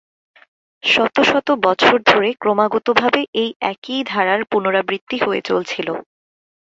শত শত বছর ধরে ক্রমাগতভাবে এই একই ধারার পুনরাবৃত্তি হয়ে চলছিল।